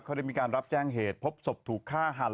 เขาได้มีการรับแจ้งเหตุพบศพถูกฆ่าหัน